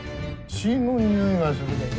血ぃのにおいがするで。